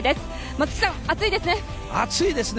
松木さん、暑いですね。